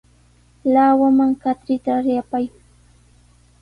Lawaman katrita yapay.